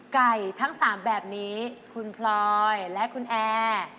ทั้ง๓แบบนี้คุณพลอยและคุณแอร์